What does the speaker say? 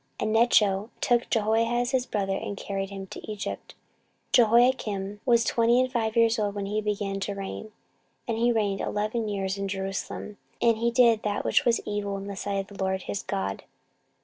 And Necho took Jehoahaz his brother, and carried him to Egypt. 14:036:005 Jehoiakim was twenty and five years old when he began to reign, and he reigned eleven years in Jerusalem: and he did that which was evil in the sight of the LORD his God.